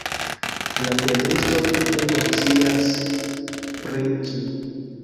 La pentristo tute konscias pri ĝi.